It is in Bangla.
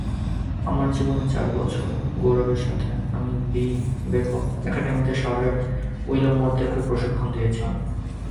আমার জীবনে চার বছর গৌরবের সাথে, আমি বেকফ একাডেমিতে শার্লেট উইলমোরকেও প্রশিক্ষণ দিয়েছি।